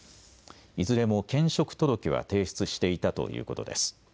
いずれも兼職届は提出していたということです。